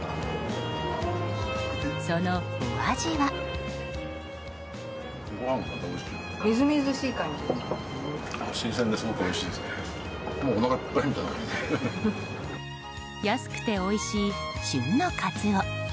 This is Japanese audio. そのお味は。安くておいしい旬のカツオ。